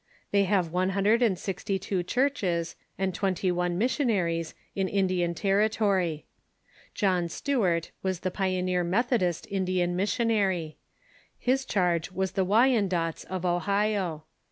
They have one hun dred and sixty two churches and twenty one missionaries in Indian territory. John Stewart was the pioneer Methodist Indian missionary. His charge was the Wyandottes of Ohio.